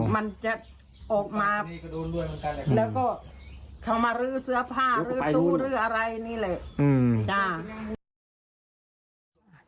มันจะออกมาแล้วก็เขามาลื้อเสื้อผ้าลื้อตู้ลื้ออะไรนี่แหละ